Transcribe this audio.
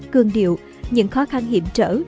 cương điệu những khó khăn hiểm trở